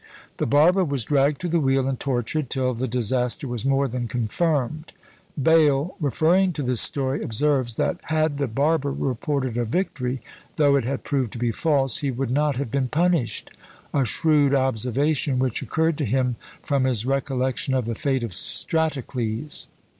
The barber was dragged to the wheel and tortured, till the disaster was more than confirmed. Bayle, referring to this story, observes, that had the barber reported a victory, though it had proved to be false, he would not have been punished; a shrewd observation, which occurred to him from his recollection of the fate of Stratocles.